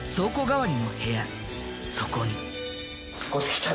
そこに。